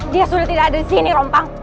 dia sudah tidak ada disini rompang